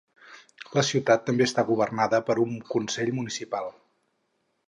La ciutat també està governada per un consell municipal.